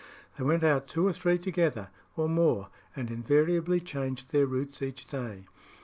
They went out two or three together, or more, and invariably changed their routes each day.